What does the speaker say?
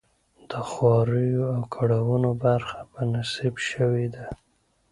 د خواریو او کړاوونو برخه په نصیب شوې ده.